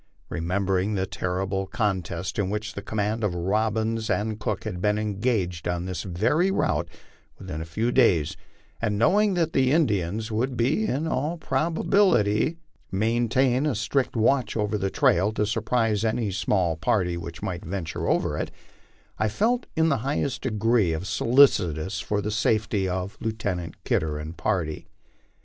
Remembering the terrible con test in which the command of Robbins and Cook had been engaged on thii very route within a few days, and knowing that the Indians would in all prob 72 MY LIFE ON THE PLAINS. ability maintain a strict watch over the trail to surprise any small party which might venture over it, I felt in the highest degree solicitous for the safety of Lieutenant Kidder and party.